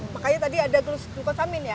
makanya tadi ada tulus glukosamin ya